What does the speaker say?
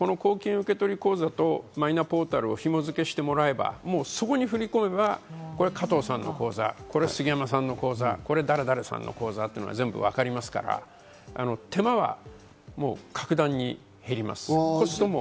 受け取り口座とマイナポータルをひもづけしてもらえれば、そこに振り込めば、加藤さんの口座、杉山さんの口座、これ誰々さんの口座っていうのが全部わかりますから手間は格段に減ります。